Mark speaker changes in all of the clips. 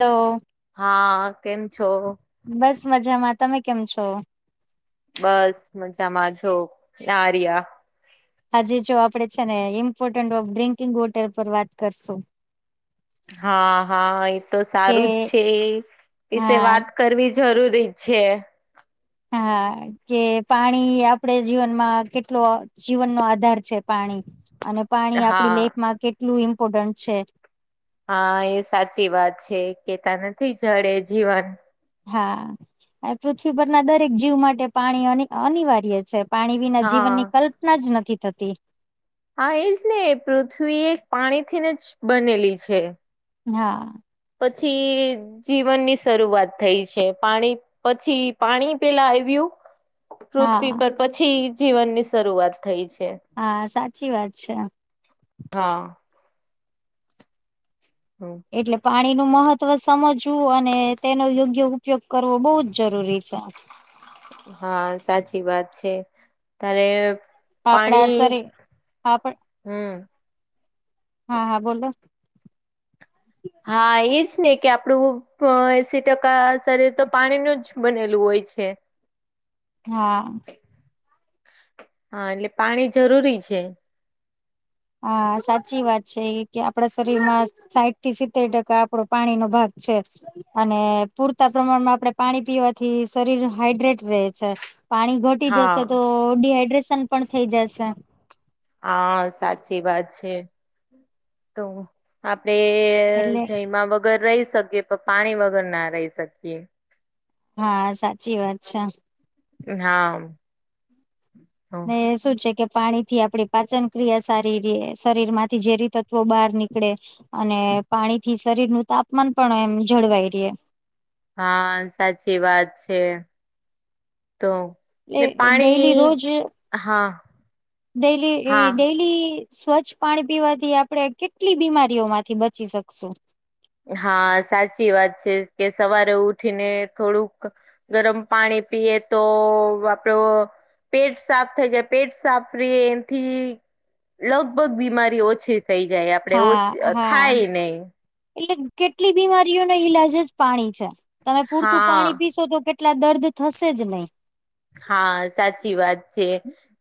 Speaker 1: તો
Speaker 2: હા. કેમ છો?
Speaker 1: બસ મજામાં. તમે કેમ છો?
Speaker 2: બસ મજામાં જો આર્યા.
Speaker 1: આજે જો આપડે છે ને ઇમ્પોર્ટન્ટ ઑફ ડ્રિન્કિંગ વોટર પર વાત કરશું.
Speaker 2: હા હા એ તો
Speaker 1: કે
Speaker 2: સારું જ છે. વિશે
Speaker 1: હા
Speaker 2: વાત કરવી જરૂરી છે.
Speaker 1: હા કે પાણી આપણે જીવનમાં કેટલો જીવનનો આધાર છે પાણી અને પાણી આપડી
Speaker 2: હા
Speaker 1: લાઈફમાં કેટલું ઇમ્પોર્ટન્ટ છે?
Speaker 2: હા એ સાચી વાત છે. કે તા નથી જળ એ જીવન.
Speaker 1: હા. આ પૃથ્વીપરના દરેક જીવ માટે પાણી અનિ અનિવાર્ય છે. પાણી વિના
Speaker 2: હા
Speaker 1: જીવનની કલ્પના જ નથી થતી.
Speaker 2: હા એ જ ને. પૃથ્વી એક પાણીથીન જ બનેલી છે.
Speaker 1: હા
Speaker 2: પછી.. જીવનની શરૂઆત થઈ છે. પાણી પછી પાણી પેલા આયવ્યું. પૃથ્વી
Speaker 1: હા
Speaker 2: પર પછી જીવનની શરૂઆત થઈ છે.
Speaker 1: હા સાચી વાત છે.
Speaker 2: હા હ
Speaker 1: એટલે પાણીનું મહત્વ સમજવું અને તેનો યોગ્ય ઉપયોગ કરવો બહુ જ જરૂરી છે.
Speaker 2: હા સાચી વાત છે. તારે..
Speaker 1: આપડા
Speaker 2: પાણી
Speaker 1: શરીર આપડ
Speaker 2: હમ્મ
Speaker 1: હા હા બોલો
Speaker 2: હા એ જ ને કે, આપણું પ એસી ટકા શરીર તો પાણીનું જ બનેલું હોય છે.
Speaker 1: હા
Speaker 2: હા એટલે પાણી જરૂરી છે.
Speaker 1: હા સાચી વાત છે એ કે, આપડા શરીરમાં સાઈઠથી સિત્તેર ટકા આપડો પાણીનો ભાગ છે. અને પૂરતાં પ્રમાણમાં આપડે પાણી પીવાથી શરીર હાઈડ્રેટ રહે છે. પાણી ઘટી
Speaker 2: હા
Speaker 1: જશે તો ડીહાઈડ્રેશન પણ થઈ જશે.
Speaker 2: હા સાચી વાત છે. તો આપણે
Speaker 1: એટલે
Speaker 2: જયમા વગર રહી શકીએ પણ પાણી વગર ના રહી શકીએ.
Speaker 1: હા સાચી વાત છે.
Speaker 2: હા
Speaker 1: ને શું છે કે પાણી થી આપણી પાચનક્રિયા સારીર્યે શરીરમાંથી ઝેરી તત્વો બહાર નીકળે. અને પાણીથી શરીરનું તાપમાન પણ એમ જળવાઈ રયે.
Speaker 2: હા સાચી વાત છે તો. ને
Speaker 1: એ ડેઇલી
Speaker 2: પાણી
Speaker 1: રોજ.
Speaker 2: હા
Speaker 1: ડ‌ઇલી એ
Speaker 2: હા
Speaker 1: ડેઇલી સ્વચ્છ પાણી પીવાથી આપડે કેટલી બીમારીઓમાંથી બચી શકશું.
Speaker 2: હા સાચી વાત છે કે, સવારે ઉઠીને થોડુંક ગરમ પાણી પીએ તો આપડો પેટ સાફ થઈ જાય પેટ સાફર્યે. એનથી લગભગ બીમારી ઓછી થઈ જાય આપડે ઓછ
Speaker 1: હા હા
Speaker 2: ખાય નઈ.
Speaker 1: એટલે કેટલી બીમારીઓનો ઈલાજ જ પાણી છે. તમે પૂરતું
Speaker 2: હા
Speaker 1: પાણી પીશો તો કેટ એટલા દર્દ થશે જ નહી.
Speaker 2: હા સાચી વાત છે.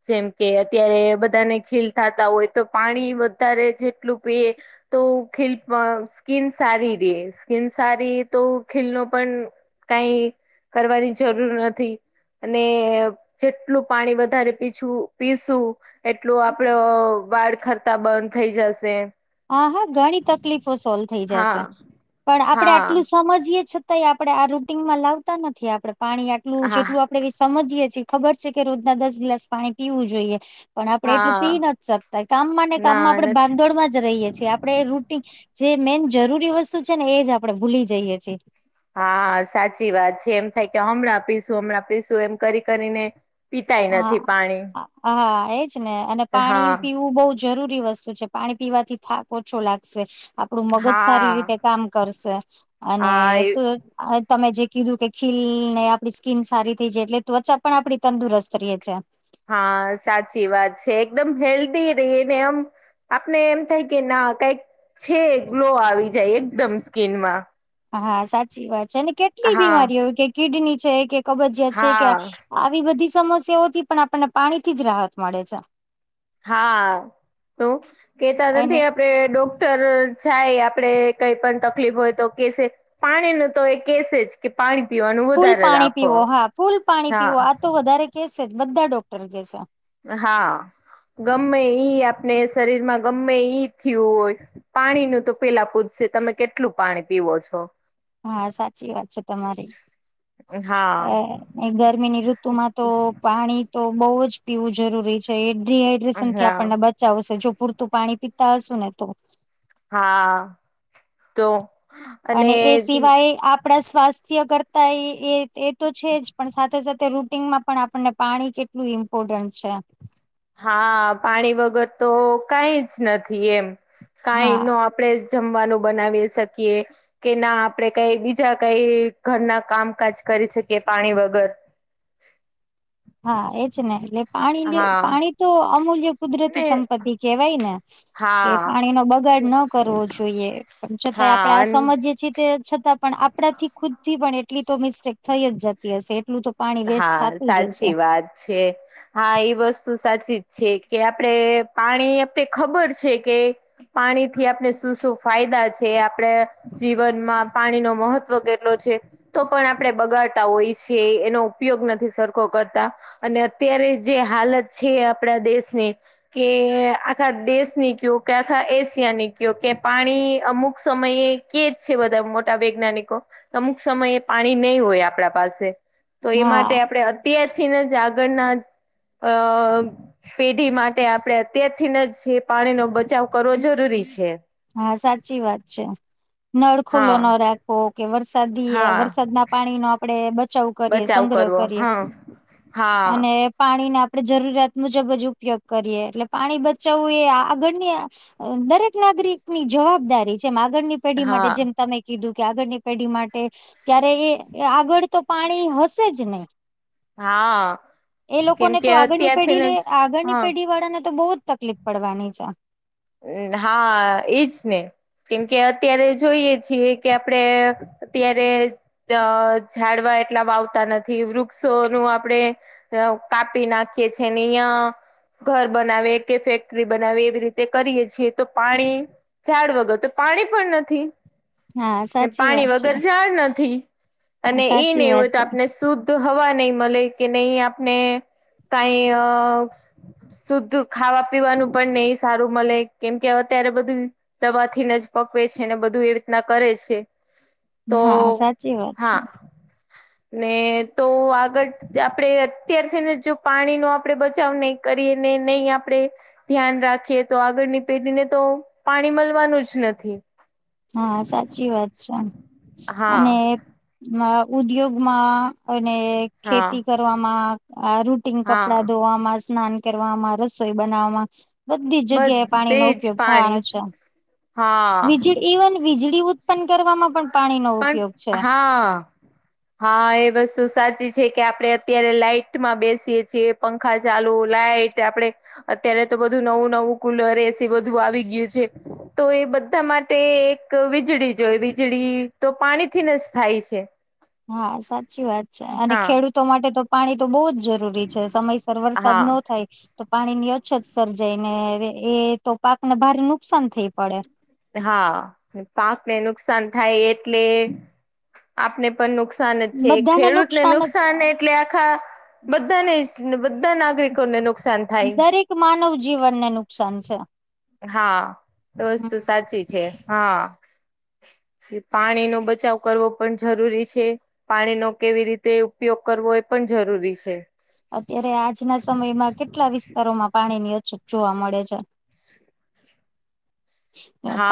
Speaker 2: જેમ કે, અત્યારે બધાને ખીલ થાતા હોય તો પાણી વધારે જેટલું પીએ તો ખીલ પણ સ્કીન સારીર્યે સ્કીન સારી તો ખીલનો પણ કાંઈ કરવાની જરૂર નથી. અને જેટલું પાણી વધારે પીછું પીશું એટલું આપડ વાળ ખરતા બંધ થઈ જશે.
Speaker 1: હા હા ઘણી તકલીફો સોલ્વ થઈ
Speaker 2: હા
Speaker 1: જશે. પણ આપડે
Speaker 2: હા
Speaker 1: આટલું સમજીયે છતાંય આપડે આ રૂટીનમાં લાવતા નથી. આપડે પાણી આટલું
Speaker 2: હા
Speaker 1: જેટલું આ આપડે ઈ સમજીએ છીએ ખબર છે કે, રોજના દસ ગ્લાસ પાણી પીવું જોઈએ પણ આપડે એટલું
Speaker 2: હા
Speaker 1: પી નથ શકતા. કામમાં ને
Speaker 2: ના
Speaker 1: કામમાં આપડણે
Speaker 2: નથી
Speaker 1: ભાગદોડમાં જ જ રહીએ છીએ. આપણેે રૂટીન જે મેઇન જરૂરી વસ્તુ છે ને એજ આપણે ભૂલી જઈએ છે.
Speaker 2: હા સાચી વાત છે. એમ થાય કે, હમણાં પીશું હમણાં પીશું એમ કરી કરીને પીતાય નથી
Speaker 1: હા
Speaker 2: પાણી
Speaker 1: હા એજ ને અને પાણી
Speaker 2: હા
Speaker 1: પીવું બહું જરૂરી વસ્તુ છે. પાણી પીવાથી થાક ઓછો લાગશે આપડું મગજ સારી
Speaker 2: હા
Speaker 1: રીતે કામ કરશે અને
Speaker 2: હા એ
Speaker 1: તો તમે જે કીધું કે ખીલ ને આપડી સ્કીન સારી થઈ જાય એટલે ત્વચા પણ આપડી તંદુરસ્ત રયે છે.
Speaker 2: હા સાચી વાત છે. એકદમ હેલ્ધી રે ને આમ આપને એમ થાય કે ના કાંઈક છે ગ્લો આવી જાય એકદમ સ્કીનમાં
Speaker 1: હા સાચી વાત છે. અને કેટલીય
Speaker 2: હા
Speaker 1: બીમારીઓ એવી કે કિડની છે કે કબજિયાત છે
Speaker 2: હા
Speaker 1: કે આવી બધી સમસ્યાઓથી પણ આપણને પાણીથી જ રાહત મળે છે.
Speaker 2: હા તો કેતા
Speaker 1: અને
Speaker 2: નથી આ આપડે ડોક્ટર જાય આપડે કંઈ પણ તકલીફ હોય તો કેશે પાણીનું તો એ કેશે જ કે પાણી પીવાનું
Speaker 1: ફૂલ
Speaker 2: વધારે
Speaker 1: પાણી
Speaker 2: રાખો
Speaker 1: પીવો હા. ફૂલ પાણી
Speaker 2: હા
Speaker 1: પીવો. આ તો વધારે કેશે જ બધા ડોક્ટર કેશે.
Speaker 2: હા ગમ્મે ઈ આપને શરીરમાં ગમ્મે ઈ થ્યું હોય પાણીનું તો પેલા પૂછશે. તમે કેટલું પાણી પીવો છો?
Speaker 1: હા સાચી વાત છે તમારી.
Speaker 2: હા
Speaker 1: એ ગરમીની ઋતુમાં તો પાણી તો બહુ જ પીવું જરૂરી છે. એ જ ડિહાઈડ્રેશનથી
Speaker 2: હા
Speaker 1: આપણને બ ચાવશે જો પુરતું પાણી પીતા હશુ ને તો
Speaker 2: હા. તો?
Speaker 1: અને એ સિવાય આપ આપડા સ્વાસ્થ્ય કરતાંય એ એ એતો છે જ. પણ સાથે સાથે રૂટીનમાં પણ આપણને પાણી કેટ લું ઇમ્પોર્ટન્ટ છે.
Speaker 2: હા પાણી વગર તો કાંઈ જ નથી એમ. કાંઈ
Speaker 1: હા
Speaker 2: નો આપ આપડે જમવાનું બનાવી શકીએ કે ના આપડે કાઈ બીજા કાઈ ઘરના કામકાજ કરી શકીએ પાણી વગર
Speaker 1: હા એજ ને‌ એટલે પાણી
Speaker 2: હા
Speaker 1: પાણી તો અમૂલ્ય
Speaker 2: ને
Speaker 1: કુદરતી સંપત્તિ કેહેવાય ને કે
Speaker 2: હા
Speaker 1: પાણી નો બગાડ ન કરવો જોઈએ. પણ છતાં આપડે આ
Speaker 2: હા
Speaker 1: સમજીએ છીએ તે છતાં પણ આપણા થી ખુદ થી પણ એટલી તો મિસ્ટેક થઈ જ જતી હશે એટલું તો પાણી વેસ્ટ
Speaker 2: હા
Speaker 1: થાતું જ હશે.
Speaker 2: સાચી વાત છે. હા એ વસ્તુ સાચી જ છે, કે આપડે પાણી આપણે ખબર છે કે પાણી થી આપણે શું શું ફાયદા છે આપડે જીવનમાં પાણી નો મહત્વ કેટલો છે, તો પણ આપણેે બગાડતા હોઈ છીએ એનો ઉપયોગ નથી સરખો કરતા અને અત્યારે જે હાલત છે, આપણા દેશની કે આખા દેશ ની કયો કે આખા એશિયા ની કયો કે પાણી અમુક સમયે કેજ છે બધા મોટા વૈજ્ઞાનિકો અમુક સમયે પાણી નહી હોય આપણા પાસે તો એ માટે
Speaker 1: હા
Speaker 2: આપણે અત્યારથીને જ આગળના અ પેઢી માટે આપડે અત્યારથીને જ પાણીનો બચાવ કરવો જરૂરી છે,
Speaker 1: હા સાચી વાત છે, નળ ખુલ્લો
Speaker 2: હા
Speaker 1: ન રાખવો કે વરસાદી
Speaker 2: હા
Speaker 1: વરસાદી ના પાણી નો આપણેે બચાવ કરીએ
Speaker 2: બચાવ
Speaker 1: સંગ્રહ
Speaker 2: કરવો
Speaker 1: કરીએ
Speaker 2: હા હા
Speaker 1: અને પાણીને આપણે જરૂરિયાત મુજબ જ ઉપયોગ કરીએ એટલે પાણી બચાવવું એ આગળની દરેક નાગરિકની જવાબદારી જેમ આગળની પેઢી માટે
Speaker 2: હા
Speaker 1: જેમ તમે કીધું કે આગળની પેઢી માટે ત્યારે એ આગળ તો પાણી હશે જ નહી
Speaker 2: હા.
Speaker 1: એ
Speaker 2: કેમ
Speaker 1: લોકોને
Speaker 2: કે
Speaker 1: તો આગળની
Speaker 2: અત્યારથીને
Speaker 1: પેઢી
Speaker 2: જ
Speaker 1: આગળની
Speaker 2: હા
Speaker 1: પેઢી વાળા ને તો બહુ જ તકલીફ પડવાની છે
Speaker 2: હા એજ ને કેમ કે અત્યારે જોઈએ છીએ કે આપડે અત્યારે અ ઝાડવા એટલા વાવતા નથી વૃક્ષોનું આપડે હઓ કાપી નાખીએ છેને અહિયાં ઘર બનાવે કે ફેક્ટરી બનાવે એવી રીતે તે કરીએ છીએ તો પાણી ઝાડ વગર તો પાણી પણ નથી
Speaker 1: હા સાચી
Speaker 2: પાણી
Speaker 1: વાત છે
Speaker 2: વગર જળ નથી
Speaker 1: હા
Speaker 2: અને એ
Speaker 1: સાચી
Speaker 2: નહી હોય
Speaker 1: વાત
Speaker 2: તો
Speaker 1: છે
Speaker 2: આપને શુદ્ધ તો હવા નહી મળે કે નહી આપને કા અ શુદ્ધ ખાવા પીવાનું પણ નહી સારું મળે કેમ અત્યારે બધું દવાથી નથ જ પકવે છે, બધું એવું રીતના કરે છે તો
Speaker 1: હા સાચી વાત
Speaker 2: હા
Speaker 1: છે
Speaker 2: ને તો આગળ આપડે અત્યારથીને પાણી નો આપડે બચાવ નહિ કરીને નહી આપણેે ધ્યાન રાખ કે તો આગળની પેઢીને તો પાણી મળવાનું જ નથી.
Speaker 1: હા સાચી વાત છે અને
Speaker 2: હા
Speaker 1: ઉદ્યોગમાં અને
Speaker 2: હા
Speaker 1: ખેતી કરવામાં અ રૂટીન કપડા
Speaker 2: હા
Speaker 1: ધોવામાં સ્નાન કરવામાં રસોઈ બનાવવામાં બધી જગ્યાએ
Speaker 2: બધે
Speaker 1: પાણીનો
Speaker 2: જ
Speaker 1: ઉપયોગ થવાનો
Speaker 2: પાણી
Speaker 1: છે,
Speaker 2: હા
Speaker 1: બીજી વીજળી ઉત્પન્ન કરવામાં પણ પાણીનો
Speaker 2: પણ
Speaker 1: ઉપયોગ છે
Speaker 2: હા. હા એ વસ્તુ સાચી છે, કે આપડે અત્યારે લાઈટમાં બેસીએ છીએ પંખા ચાલુ લાઈટ આપડે અત્યારે તો બધું નવું નવું કુલર એસી બધું આવી ગયું છે, તો એ બધા માટે એક વીજળી જોઈ વીજળી તો પાણીથી ને જ થાય છે.
Speaker 1: હા સાચી વાત છે, અને
Speaker 2: હા
Speaker 1: ખેડૂતો માટે તો પાણી તો બહુ જ જરૂરી જરૂરી છે સમયસર વરસાદ ન
Speaker 2: હા
Speaker 1: થાય પાણી અછત સર્જાય ને એ તો પાકને ભારે નુકસાન થઈ પડે
Speaker 2: હા પાકને નુકસાન થાય એટલે આપને પણ નુકસાન જ છે
Speaker 1: બધાને
Speaker 2: ખેડૂતને
Speaker 1: જ
Speaker 2: નુકસાન એટલે આખા બધ્ધાને જ. ને બધાં નાગરિકોને નુકસાન થાય
Speaker 1: દરેક માનવજીવનને નુકસાન છે.
Speaker 2: હા એ
Speaker 1: હમ્મ.
Speaker 2: વસ્તુ સાચી છે. હા. પાણીનો બચાવ કરવો પણ જરૂરી છે. પાણીનો કેવી રીતે ઉપયોગ કરવો? એ પણ જરૂરી છે.
Speaker 1: અત્યારે આજનાં સમયમાં કેટલા વિસ્તારોમાં પાણીની અછત જોવા મળે છે.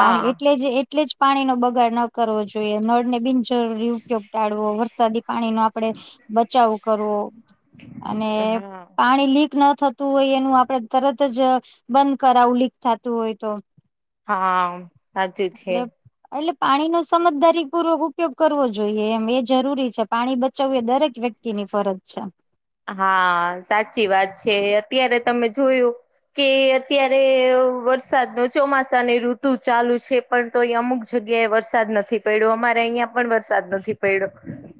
Speaker 1: પાણી એટલે જ એટલે જ પાણીનો બગાડ નો કરવો જોઈએ. નળને બિન જરૂરી ઉપયોગ ટાળવો, વરસાદી પાણીનો આપડે બચાવ કરવો. અને
Speaker 2: હા
Speaker 1: પાણી લીક ન થતું હોય એનું આપડે તરત... તજ બંધ કરાવું લીક થાતું હોય તો.
Speaker 2: હા, સાચું છે.
Speaker 1: એટલે એટલે પાણીનો સમજદારી પૂર્વક ઉપયોગ કરવો જોઈએ એમ, એ જરૂરી છે. પાણી બચાવવું એ દરેક વ્યક્તિની ફરજ છે.
Speaker 2: હા, સાચી વાત છે. અત્યારે તમે જોયું... કે, અત્યારે વરસાદની ચોમાસાની ઋતુ ચાલુ છે. પણ તોય અમુક જગ્યાએ વરસાદ નથી પયડો, અમારે અહિયાં પણ વરસાદ નથી પયડો.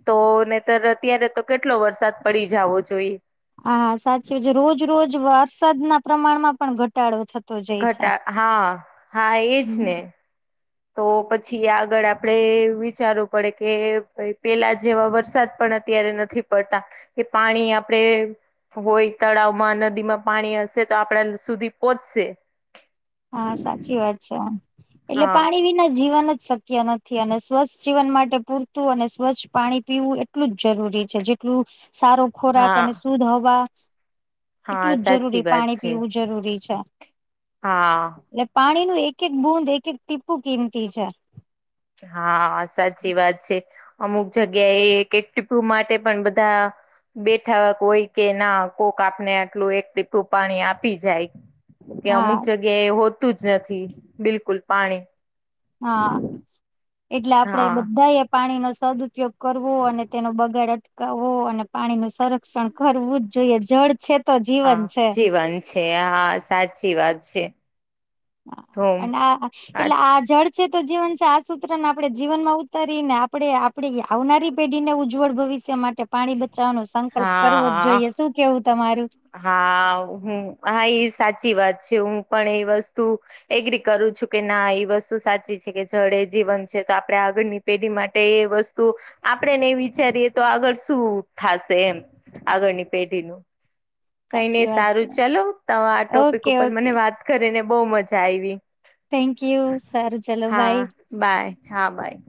Speaker 2: તો નેતર અત્યારે તો કેટલો વરસાદ પડી જાવો જોઈ.
Speaker 1: હા, હા સાચું છે. રોજ રોજ વરસાદના પ્રમાણમાં પણ ઘટાડો થતો... જાય છે.
Speaker 2: ઘટા હા, હા એજ
Speaker 1: હમ
Speaker 2: ને. તો પછી આગળ આપડે વિચારવું પડે કે, પેલાં જેવા વરસાદ પણ અત્યારે ન થી પડતાં એ પાણી આપણેે... હોય તળાવમાં, નદીમાં પાણી હશે તો આપડા સુધી પોંચશે.
Speaker 1: હા, સાચી વાત છે. એટલે
Speaker 2: હા
Speaker 1: પાણી વિના જીવન જ શક્ ક્ય નથી અને સ્વસ્થ જીવન માટે પૂરતું અને સ્વચ્છ પાણી પીવું એટલું જ જરૂરી છે. જેટલું... સારો ખોરાક
Speaker 2: હા
Speaker 1: અને શુધ હવા...
Speaker 2: હા,
Speaker 1: એટલું જ
Speaker 2: સાચી
Speaker 1: જરૂરી
Speaker 2: વાત
Speaker 1: પાણી
Speaker 2: છે,
Speaker 1: પીવું જરૂરી છે.
Speaker 2: હા.
Speaker 1: એટલે પાણીનું એક એક બુંદ, એક એક ટીપુ કિંમતી છે.
Speaker 2: હા, સાચી વાત છે. અમુક જગ્યાએ એક એક ટીપુ માટે પણ બધાં... બેઠાક હોય કે ના કોક આપને આટલું એક ટીપું પાણી આપી જાય. કે
Speaker 1: હા
Speaker 2: અમુક જગ્યાએ હોતું જ નથી. બિલકુલ પાણી.
Speaker 1: હા, એટલે આપડે
Speaker 2: હા
Speaker 1: બદ્ધાએ પાણીનો સદ્ઉપયોગ... કરવો અને તેનો બગાડ અટકાવવો અને પાણીનું સંરક્ષણ કરવું જ જોઈએ. જળ છે તો
Speaker 2: હા,
Speaker 1: જીવન છે.
Speaker 2: જીવન છે, હા સાચી વાત છે.
Speaker 1: હા,
Speaker 2: તો
Speaker 1: અને આ
Speaker 2: હા
Speaker 1: એટલે આ જળ... છે તો જીવન છે. આ સૂત્રને આપણે જીવનમાં ઉતારીએને આપણે આપડી આવનારી... પેઢીને ઉજ્જવળ ભવિષ્ય માટે પાણી બચાવવાનો સંકલ્પ કરવો જ જોઈએ. શું કેવું તમારું.?
Speaker 2: હા હમ્મ. હા એ સાચી વાત છે. હું પણ એ વસ્તુ... એગ્રી કરું છું કે, ના એ વસ્તુ સાચી છે કે જળ એ જીવન છે. તો આપડણે આગળની... પેઢી માટે એ વસ્તુ આપણેે નહી વિચારીએ તો આગળ શું થાશે એમ? આગળની પેઢીનું. કંઈ નય,
Speaker 1: સાચી વાત
Speaker 2: સારું
Speaker 1: છે
Speaker 2: ચલો. તો આ ટોપિક
Speaker 1: ઓકે
Speaker 2: ઉપર મને
Speaker 1: ઓકે
Speaker 2: વાત કરીને બો મજા આયવી.
Speaker 1: Thank you. સારુ ચલો બાય.
Speaker 2: બાય, હા બાય.